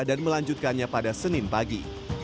dan melanjutkannya pada senin pagi